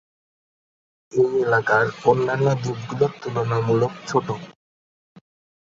এই এলাকার অন্যান্য দ্বীপগুলো তুলনামূলক ছোট।